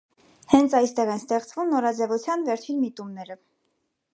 Հենց այստեղ են ստեղծվում նորաձևության վերջին միտումները։